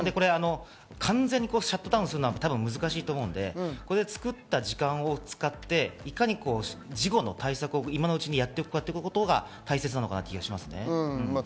完全にシャットダウンするの難しいと思うので作った時間を使って、いかに事後の対策を今のうちにやっておくかが大切な気がします。